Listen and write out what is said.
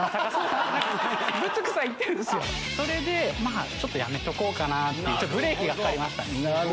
それでやめとこうかなってブレーキがかかりましたね。